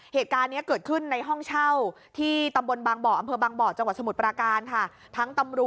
เหตุการณ์นี้เกิดขึ้นในห้องเช่า